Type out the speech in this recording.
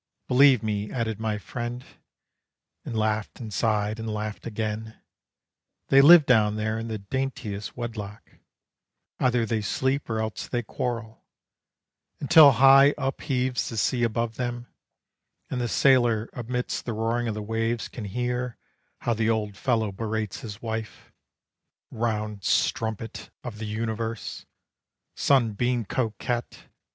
"Believe me," added my friend, And laughed and sighed, and laughed again, "They live down there in the daintiest wedlock; Either they sleep or else they quarrel, Until high upheaves the sea above them, And the sailor amidst the roaring of the waves can hear How the old fellow berates his wife: 'Round strumpet of the universe! Sunbeam coquette!